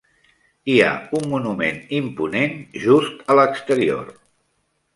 Hi ha un monument imponent just a l'exterior.